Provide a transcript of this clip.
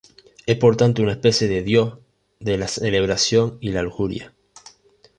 Es por tanto una especie de dios de la celebración y la lujuria.